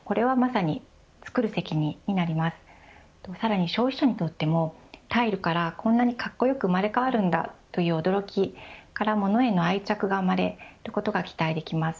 さらに消費者にとってもタイルからこんなにかっこよく生まれ変わるんだという驚きから物への愛着が生まれることが期待できます。